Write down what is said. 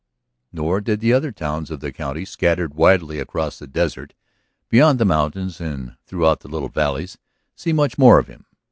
Nor did the other towns of the county, scattered widely across the desert, beyond the mountains and throughout the little valleys, see much more of him.